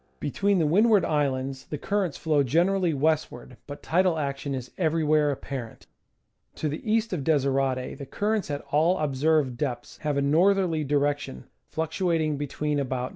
Between the Windward Islands the currents flow generally westward, but tidal action is everywhere apparent. To the east of Desirade the currents at all observed depths have a northerly direction, fluctuating between about N.